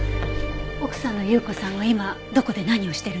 奥さんの有雨子さんは今どこで何をしてるの？